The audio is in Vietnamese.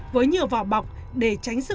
với nhiều vỏ bọc để tránh sự